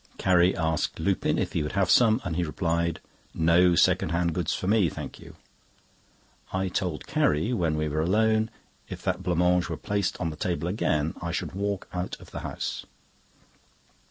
Carrie asked Lupin if he would have some, and he replied: "No second hand goods for me, thank you." I told Carrie, when we were alone, if that blanc mange were placed on the table again I should walk out of the house.